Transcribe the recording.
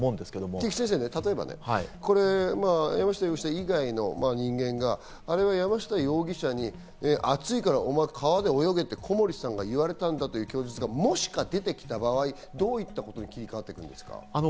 菊地先生、例えば山下容疑者以外の人間があれは山下容疑者に暑いからお前、川で泳げと小森さんが言われたんだという供述がもし出てきた場合、どういったことに切り替わりますか？